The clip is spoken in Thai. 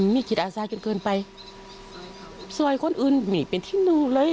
มิจิตอาซาจนเกินไปสวยคนอื่นมิหยิบที่นู่๊เลย